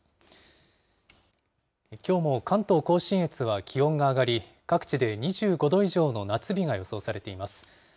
きょうも関東甲信越は気温が上がり、各地で２５度以上の夏日が予想されています。